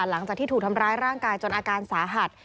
หลังจากที่ถูกทำร้ายร่างกายจนอาการสาหัส